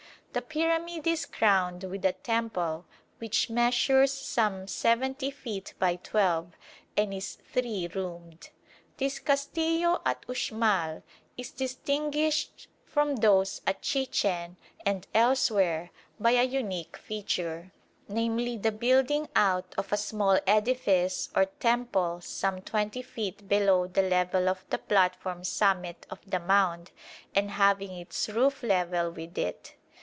The pyramid is crowned with a temple which measures some 70 feet by 12 and is three roomed. This castillo at Uxmal is distinguished from those at Chichen and elsewhere by a unique feature, namely the building out of a small edifice or temple some 20 feet below the level of the platform summit of the mound, and having its roof level with it.